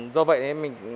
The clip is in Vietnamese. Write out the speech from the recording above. do vậy mình